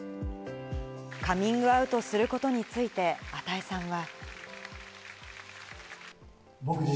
カミングアウトすることについて與さんは。